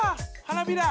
花びら！